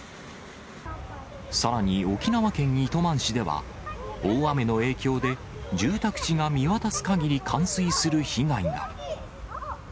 さらに、沖縄県糸満市では、大雨の影響で、住宅地が見渡すかぎり冠水する被害が。